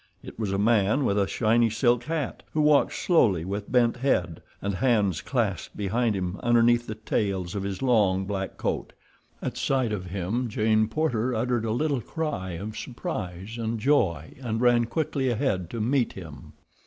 It was a man with a shiny silk hat, who walked slowly with bent head, and hands clasped behind him underneath the tails of his long, black coat. At sight of him Jane Porter uttered a little cry of surprise and joy, and ran quickly ahead to meet him.